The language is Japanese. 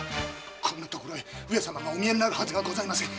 こんな所へ上様がお見えになるはずがありません。